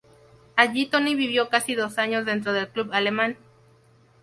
Allí Tony vivió casi dos años dentro del club alemán.